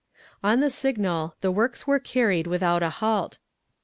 On the signal, the works were carried without a halt.